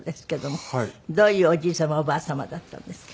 どういうおじい様おばあ様だったんですか？